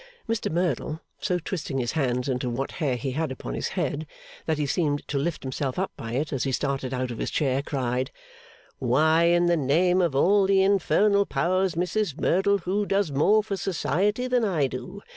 Mr Merdle, so twisting his hands into what hair he had upon his head that he seemed to lift himself up by it as he started out of his chair, cried: 'Why, in the name of all the infernal powers, Mrs Merdle, who does more for Society than I do?